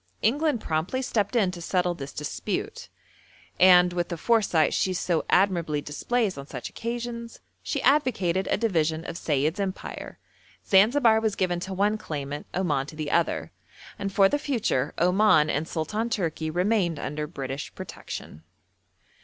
England promptly stepped in to settle this dispute, and, with the foresight she so admirably displays on such occasions, she advocated a division of Sayid's empire. Zanzibar was given to one claimant, Oman to the other, and for the future Oman and Sultan Tourki remained under British protection.